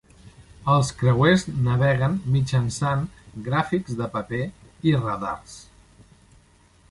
Els creuers naveguen mitjançant gràfics de paper i radars.